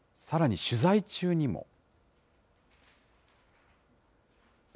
さらに取材中にも。